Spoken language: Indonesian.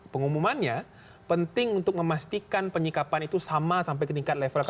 pengumumannya penting untuk memastikan penyikapan itu sama sampai ke tingkat level